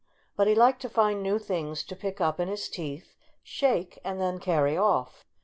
But he liked to find new things to pick up in his teeth, shake, and then carry off.